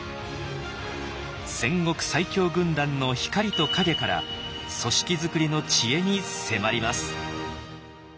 戦国最強軍団の光と影から組織づくりの知恵に迫ります。